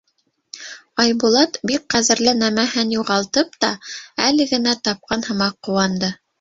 Айбулат бик ҡәҙерле нәмәһен юғалтып та, әле генә тапҡан һымаҡ ҡыуанды.